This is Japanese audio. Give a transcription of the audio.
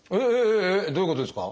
どういうことですか？